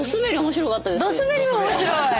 ドすべり面白い！